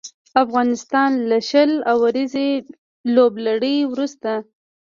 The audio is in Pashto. افغانستان له شل اوريزې لوبلړۍ وروسته